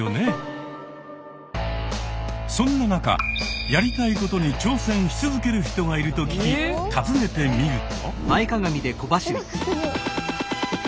そんな中やりたいことに挑戦し続ける人がいると聞き訪ねてみると。